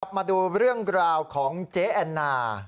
กลับมาดูเรื่องกล่าวของเจ๊อันน่า